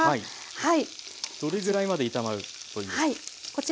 どれぐらいまで炒まるといいんですか？